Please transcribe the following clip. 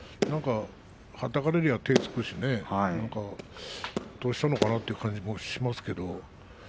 はたかれれば手をつくしどうしたのかなという感じですね。